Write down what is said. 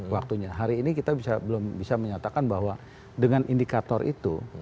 waktunya hari ini kita belum bisa menyatakan bahwa dengan indikator itu